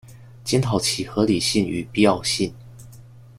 檢討其合理性與必要性